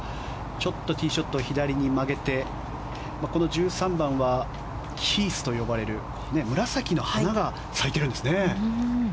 ちょっとティーショットを左に曲げてこの１３番はヒースと呼ばれる紫の花が咲いているんですね。